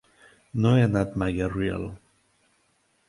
No he anat mai a Real.